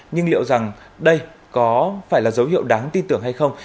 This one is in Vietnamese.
nhưng liệu rằng đây có phải là dấu hiệu đáng tin tưởng hay không